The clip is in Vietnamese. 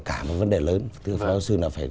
cả một vấn đề lớn tức phó giáo sư là phải